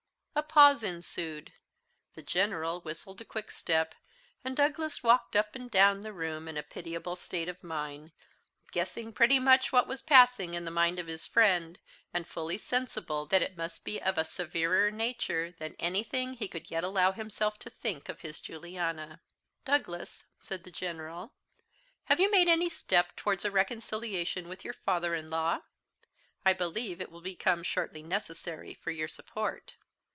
A pause ensued the General whistled a quickstep, and Douglas walked up and down the room in a pitiable state of mind, guessing pretty much what was passing in the mind of his friend, and fully sensible that it must be of a severer nature than anything he could yet allow himself to think of his Juliana. "Douglas," said the General, "have you made any step towards a reconciliation with your father in law? I believe it will become shortly necessary for your support."